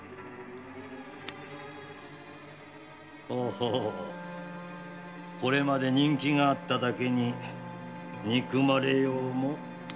ほうこれまで人気があっただけに憎まれようも激しいか。